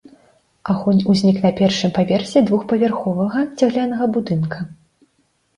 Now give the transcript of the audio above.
Агонь узнік на першым паверсе двухпавярховага цаглянага будынка.